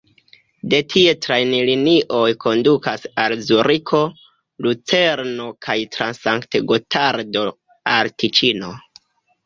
De tie trajnlinioj kondukas al Zuriko, Lucerno kaj tra Sankt-Gotardo al Tiĉino.